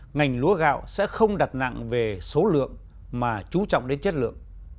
ngành lúa gạo sẽ không đặt nặng về số lượng mà chú trọng đến chất lượng